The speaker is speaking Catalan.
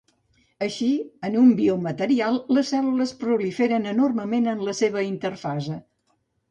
Així, en un biomaterial les cèl·lules proliferen enormement en la seva interfase.